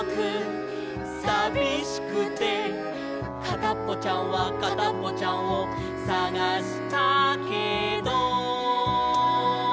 「かたっぽちゃんはかたっぽちゃんをさがしたけど」